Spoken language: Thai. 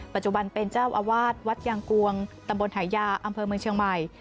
ปัจจุบันเป็นเจ้าอาวาสวัดยางกวงตำบลหายาอำเภอเมืองเชียงใหม่